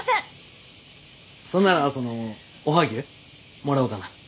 そんならそのおはぎゅうもらおうかな。